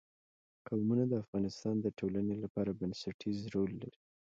قومونه د افغانستان د ټولنې لپاره بنسټيز رول لري.